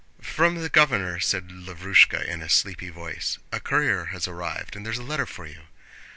"From the governor," said Lavrúshka in a sleepy voice. "A courier has arrived and there's a letter for you."